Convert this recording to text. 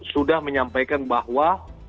sudah menyampaikan bahwa